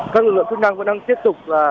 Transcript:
các lực lượng phức năng vẫn đang tiếp tục